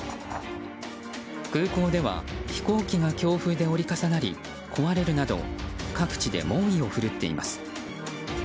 空港では飛行機が強風で折り重なり、壊れるなど各地で猛威を振るっています。